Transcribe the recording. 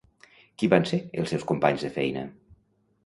Qui van ser els seus companys de feina?